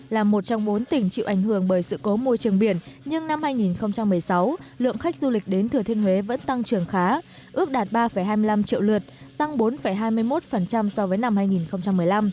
là một trong bốn tỉnh chịu ảnh hưởng bởi sự cố môi trường biển nhưng năm hai nghìn một mươi sáu lượng khách du lịch đến thừa thiên huế vẫn tăng trưởng khá ước đạt ba hai mươi năm triệu lượt tăng bốn hai mươi một so với năm hai nghìn một mươi năm